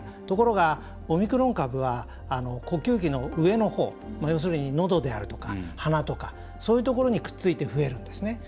ところが、オミクロン株は呼吸器の上のほう要するにのどであるとか鼻とかそういうところにくっついて増えるんですね。